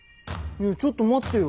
ちょっと待ってよ。